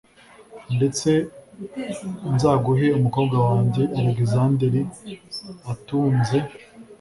ndetse nzaguhe umukobwa wanjye alegisanderi atunze